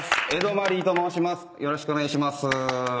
よろしくお願いします。